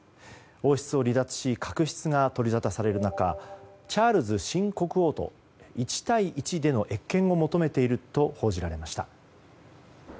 王室を離脱し確執が取り沙汰される中チャールズ新国王と１対１での謁見を求めていると報じられました。